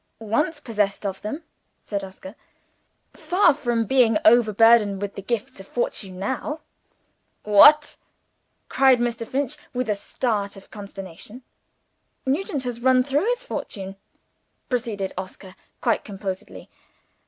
"Once possessed of them," said Oscar. "Far from being overburdened with the gifts of fortune, now!" "What!!!" cried Mr. Finch, with a start of consternation. "Nugent has run through his fortune," proceeded Oscar, quite composedly.